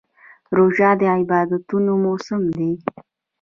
روژه د عبادتونو موسم دی.